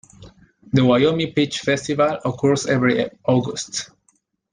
The "Wyoming Peach Festival" occurs every August.